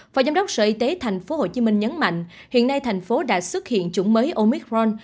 và giám đốc sở y tế thành phố hồ chí minh nhấn mạnh hiện nay thành phố đã xuất hiện chủng mới omicron